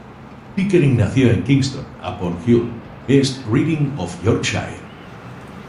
Pickering nació en Kingston upon Hull, East Riding of Yorkshire.